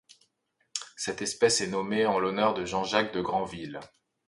Cette espèce est nommée en l'honneur de Jean-Jacques de Granville.